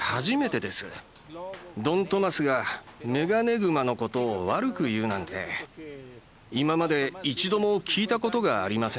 ドン・トマスがメガネグマのことを悪く言うなんて今まで一度も聞いたことがありません。